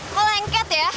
lo lengket ya